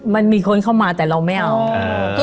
มันมีคนเข้ามาแต่เราไม่เอา